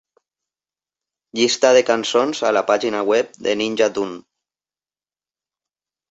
Llista de cançons a la pàgina web de Ninja Tune.